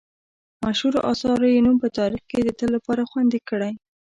مشهورو اثارو یې نوم په تاریخ کې د تل لپاره خوندي کړی.